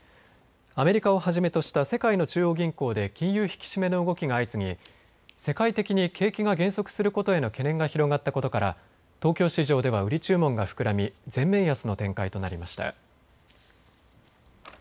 アメリカをはじめとした世界の中央銀行で金融引き締めの動きが相次ぎ、世界的に景気が減速することへの懸念が広がったことから東京市場では売り注文が膨らみ全面安の展開となりました。